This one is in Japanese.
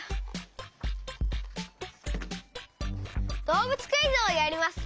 どうぶつクイズをやります。